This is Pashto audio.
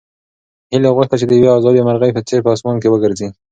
هیلې غوښتل چې د یوې ازادې مرغۍ په څېر په اسمان کې وګرځي.